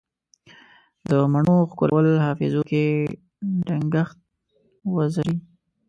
د مڼو ښکلو حافظو کې دنګهت وزرې